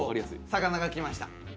魚が来ました。